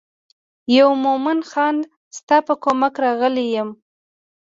یم مومن خان ستا په کومک راغلی یم.